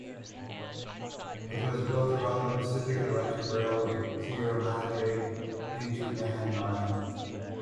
It was built around the Pacific Electric Railway-Sierra Madre interurban line.